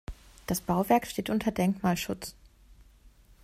Das Bauwerk steht unter Denkmalschutz.